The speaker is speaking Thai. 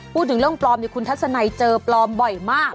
พูดถึงเรื่องปลอมคุณทัศนัยเจอปลอมบ่อยมาก